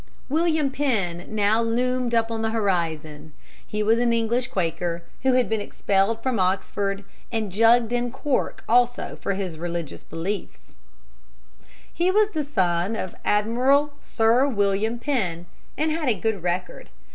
William Penn now loomed up on the horizon. He was an English Quaker who had been expelled from Oxford and jugged in Cork also for his religious belief. He was the son of Admiral Sir William Penn, and had a good record.